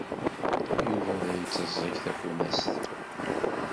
Yuba la itteẓẓeg tafunast.